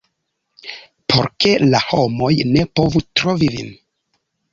por ke la homoj ne povu trovi vin.